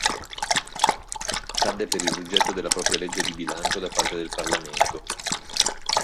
Cadde per il rigetto della propria legge di bilancio da parte del Parlamento.